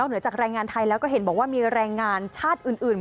เหนือจากแรงงานไทยแล้วก็เห็นบอกว่ามีแรงงานชาติอื่น